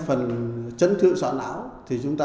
tạo hình vòm sự tùy chỉnh